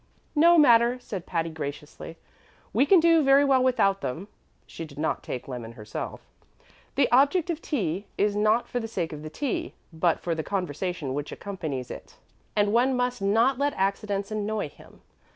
"No matter," said Patty, graciously; "we can do very well without them." (She did not take lemon herself.) "The object of tea is not for the sake of the tea, but for the conversation which accompanies it, and one must not let accidents annoy him.